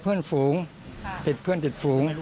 เพื่อนาญภูงค์เขาเคยเห็นเพื่อนาญภูงค์